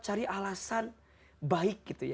cari alasan baik